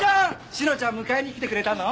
志乃ちゃん迎えに来てくれたの？